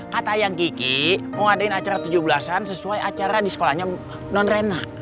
kata ayang kiki mau ngadain acara tujuh belas an sesuai acara di sekolahnya nonrena